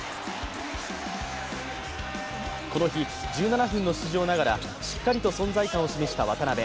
この日１７分の出場ながらしっかりと存在感を示した渡邊。